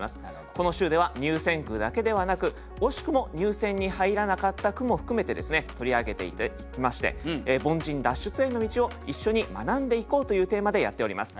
この週では入選句だけではなく惜しくも入選に入らなかった句も含めてですね取り上げていきまして凡人脱出への道を一緒に学んでいこうというテーマでやっております。